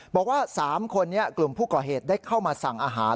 บอกว่า๓คนนี้กลุ่มผู้ก่อเหตุได้เข้ามาสั่งอาหาร